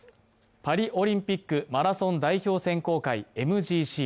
パリオリンピックマラソン代表選考会＝ＭＧＣ。